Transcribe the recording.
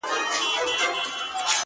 o والله ه چي په تا پسي مي سترگي وځي؛